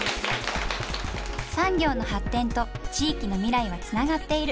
産業の発展と地域の未来はつながっている。